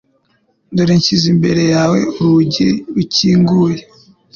Dore nshyize imbere yawe urugi rukinguye